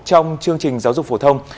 trong chương trình giáo dục phổ thông